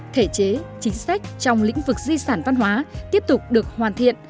thể chế chính sách trong lĩnh vực di sản văn hóa tiếp tục được hoàn thiện